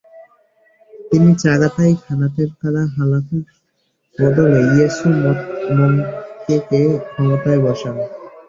তিনি চাগাতাই খানাতের কারা হালাকুর বদলে ইয়েসু মংকেকে ক্ষমতায় বসান।